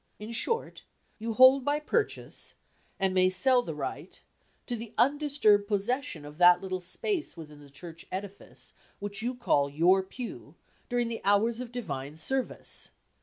In short, you hold by purchase, and may sell the right to the undisturbed possession of that little space within the church edifice which you call your pew during the hours of divine service.